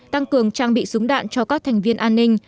tăng cường trang bị súng đạn cho các thành viên an ninh